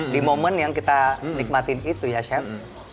di momen yang kita nikmatin itu ya chef